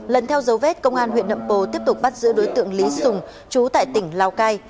lần theo dấu vết công an huyện nậm pồ tiếp tục bắt giữ đối tượng lý sùng chú tại tỉnh lào cai